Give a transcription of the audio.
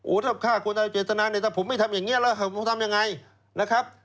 ถ้าฆ่าคนอะไรเจตนาเนี่ยถ้าผมไม่ทำอย่างนี้แล้วผมทำยังไงนะครับ